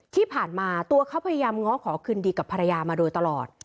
ที่ผ่านมาตัวเขาพยายามง้อขอคืนดีกับภรรยามาโดยตลอด